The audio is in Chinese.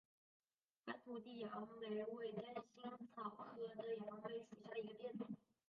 安图地杨梅为灯心草科地杨梅属下的一个变种。